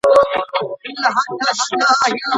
کاسه بې ښوروا نه وي.